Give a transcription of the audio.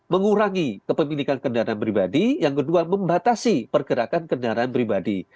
mengurangi kepemilikan kendaraan pribadi yang kedua membatasi pergerakan kendaraan pribadi